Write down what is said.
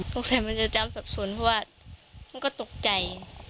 ผมแสดงจะตั้งสับสนเพราะมันก็ตกใจ